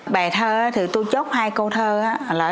bài thơ thì tôi chốt hai câu thơ